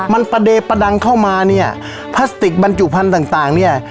มันประเดประดังเข้ามาเนี่ยพลาสติกบรรจุพันธุ์ต่างต่างเนี่ย